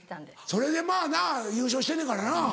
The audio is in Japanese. それでまぁな優勝してんねんからな。